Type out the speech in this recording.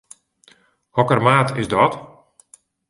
Hokker maat is dat?